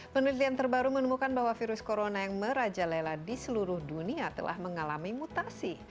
penelitian terbaru menemukan bahwa virus corona yang merajalela di seluruh dunia telah mengalami mutasi